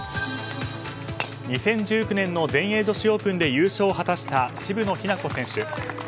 ２０１９年の全英女子オープンで優勝を果たした渋野日向子選手。